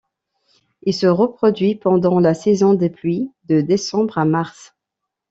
Il se reproduit pendant la saison des pluies de décembre à mars.